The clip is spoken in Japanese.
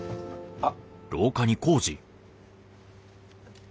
あっ。